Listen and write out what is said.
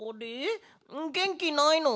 げんきないの？